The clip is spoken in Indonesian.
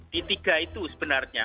di tiga itu sebenarnya